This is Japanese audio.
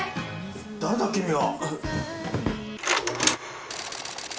誰だ君は？